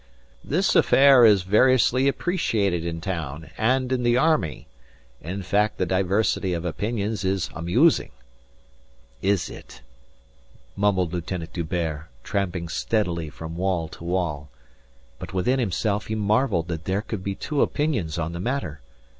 "This affair is variously appreciated in town and in the army. In fact the diversity of opinions is amusing." "Is it?" mumbled Lieutenant D'Hubert, tramping steadily from wall to wall. But within himself he marvelled that there could be two opinions on the matter.